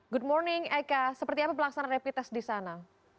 good morning eka seperti apa pelaksanaan rapid test di sana